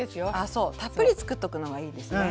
そうたっぷり作っとくのがいいですね。